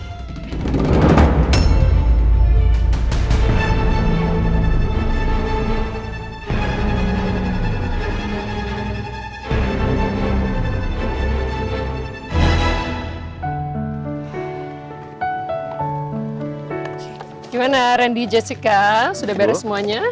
gimana rendi jessica sudah beres semuanya